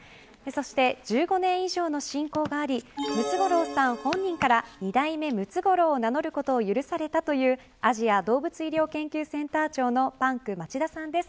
そして、１５年以上の親交がありムツゴロウさん本人から２代目ムツゴロウを名乗ることを許されたというアジア動物医療研究センター長のパンク町田さんです。